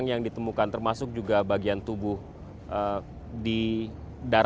tadi pas masuk tadi ibu itu bilang